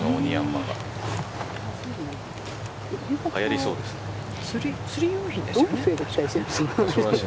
はやりそうです。